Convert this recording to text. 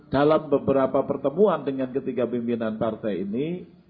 dalam beberapa pertemuan dengan ketiga pimpinan partai ini